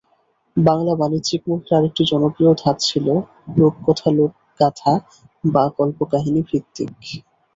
বাংলা বাণিজ্যিক মুভির আরেকটি জনপ্রিয় ধাঁচ ছিল রূপকথা লোকগাথা বা কল্পকাহিনিভিত্তিক।